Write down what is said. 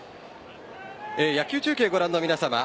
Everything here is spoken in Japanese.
野球中継をご覧の皆さま